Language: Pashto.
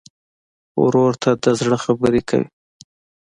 ورور ته د زړه خبره کوې.